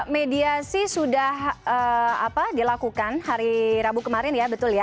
mediasi sudah dilakukan hari rabu kemarin ya betul ya